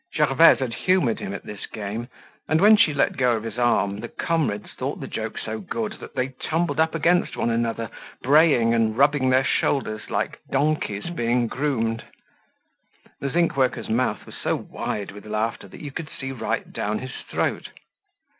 Gervaise had humored him at this game, and when she let go of his arm, the comrades thought the joke so good that they tumbled up against one another, braying and rubbing their shoulders like donkeys being groomed. The zinc worker's mouth was so wide with laughter that you could see right down his throat.